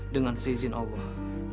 dengan seizin allah